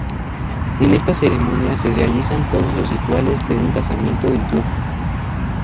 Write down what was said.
En esta ceremonia se realizan todos los rituales de un casamiento hindú.